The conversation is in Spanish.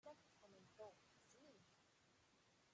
Wagner contestó: "Si.